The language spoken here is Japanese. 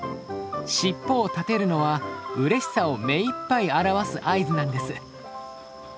しっぽを立てるのはうれしさを目いっぱい表す合図なんです。